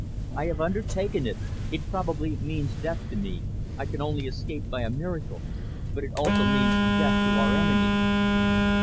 "I have undertaken it. It probably means death to me, I can only escape by a miracle, but it also means death to our enemies."